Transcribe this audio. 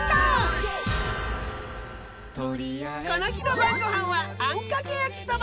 この日の晩ご飯はあんかけ焼きそば。